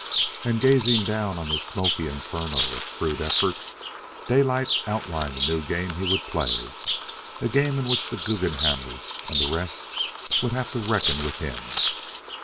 And, gazing down on the smoky inferno of crude effort, Daylight outlined the new game he would play, a game in which the Guggenhammers and the rest would have to reckon with him.